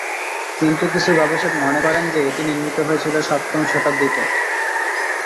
কিন্তু কিছু গবেষক মনে করেন যে, এটি নির্মিত হয়েছিল সপ্তম শতাব্দীতে।